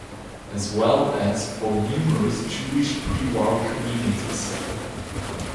As well as for numerous Jewish prewar communities.